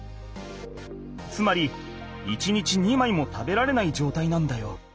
つまり１日２枚も食べられないじょうたいなんだよ。